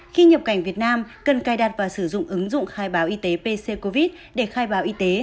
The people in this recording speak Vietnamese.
khi nhập cảnh việt nam cần cài đặt và sử dụng ứng dụng khai báo y tế pc covid để khai báo y tế